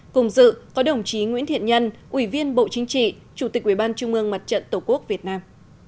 cùng dự có đồng chí nguyễn thiện nhân ủy viên bộ chính trị chủ tịch ubnd tổ quốc việt nam